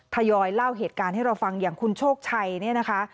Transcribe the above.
ทยอยเล่าเหตุการณ์ให้เราฟังอย่างคุณโชคชัยเนี่ยนะคะ